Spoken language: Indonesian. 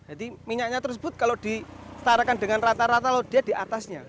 jadi minyaknya tersebut kalau disetarakan dengan rata rata laut dia di atasnya